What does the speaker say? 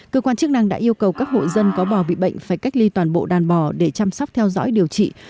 cơ quan chức năng đã yêu cầu các hộ dân có bò bị bệnh phải cách ly toàn bộ đàn bò để chăm sóc theo dõi điều trị